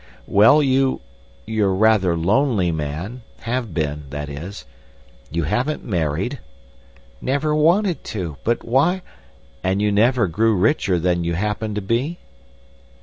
"Well, you—you're a rather lonely man—have been, that is. You haven't married." "Never wanted to. But why—" "And you never grew richer than you happened to be?"